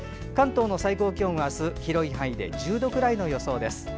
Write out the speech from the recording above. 関東の最高気温は明日広い範囲で１０度くらいの予想です。